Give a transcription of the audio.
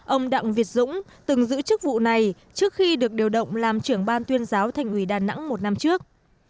ông đặng việt dũng từng giữ chức vụ này trước khi được điều động làm trưởng ban tuyên giáo thành ủy đà nẵng một năm trước